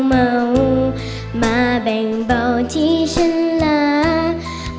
มาแบ่งเบาที่ฉันลา